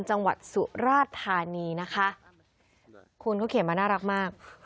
จังหวัดสุราธานีนะคะคุณเขาเขียนมาน่ารักมาก